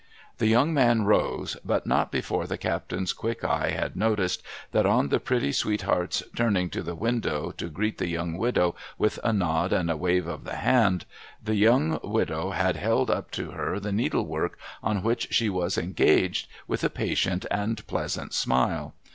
' The young man rose ; but not before the captain's quick eye had noticed that, on the pretty sweetheart's turning to the window to greet the young widow with a nod and a wave of the hand, the young widow had held up to her the needlework on which she was engaged, with a patient and pleasant smile.